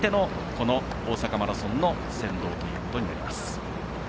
この大阪マラソンの先導ということになります。